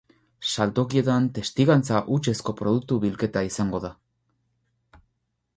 Saltokietan testigantza hutsezko produktu bilketa izango da.